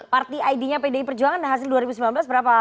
partai id nya pdi perjuangan hasil dua ribu sembilan belas berapa